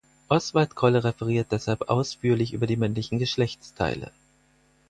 Oswalt Kolle referiert deshalb ausführlich über die männlichen Geschlechtsteile.